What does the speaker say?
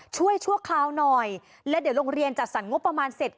ชั่วคราวหน่อยและเดี๋ยวโรงเรียนจัดสรรงบประมาณเสร็จ